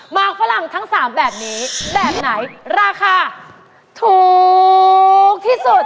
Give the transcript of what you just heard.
ฝรั่งทั้ง๓แบบนี้แบบไหนราคาถูกที่สุด